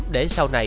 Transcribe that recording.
để sau này